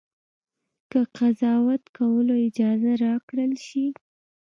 که قضاوت کولو اجازه راکړه شي.